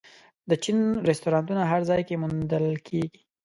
د چین رستورانتونه هر ځای کې موندل کېږي.